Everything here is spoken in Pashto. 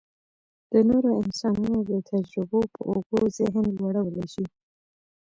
د نورو انسانانو د تجربو په اوږو ذهن لوړولی شي.